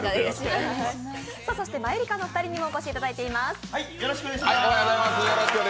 そしてマユリカのお二人にもお越しいただいています。